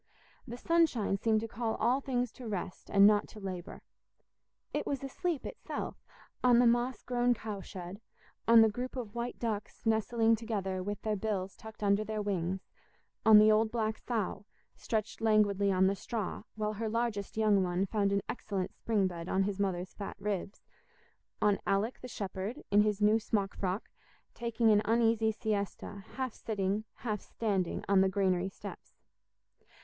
The sunshine seemed to call all things to rest and not to labour. It was asleep itself on the moss grown cow shed; on the group of white ducks nestling together with their bills tucked under their wings; on the old black sow stretched languidly on the straw, while her largest young one found an excellent spring bed on his mother's fat ribs; on Alick, the shepherd, in his new smock frock, taking an uneasy siesta, half sitting, half standing on the granary steps.